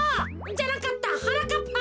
じゃなかったはなかっぱ。